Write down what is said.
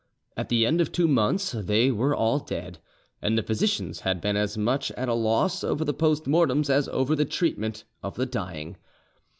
At the end of two months they were all dead, and the physicians had been as much at a loss over the post mortems as over the treatment of the dying.